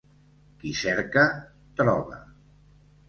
Qui cerca, troba.